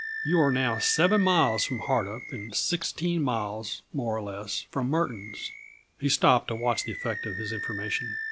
You are now seven miles from Hardup and sixteen miles, more or less, from Murton's." He stopped to watch the effect of his information.